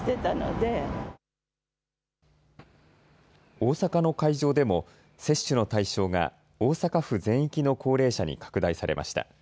大阪の会場でも接種の対象が大阪府全域の高齢者に拡大されました。